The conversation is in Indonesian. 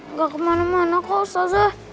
nggak kemana mana kok susah